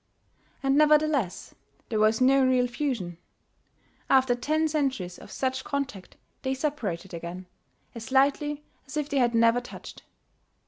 And nevertheless there was no real fusion; after ten centuries of such contact they separated again, as lightly as if they had never touched.